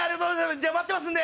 じゃあ待ってますんで。